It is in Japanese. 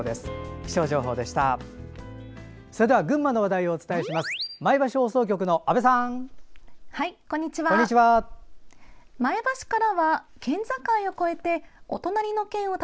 気象情報でした。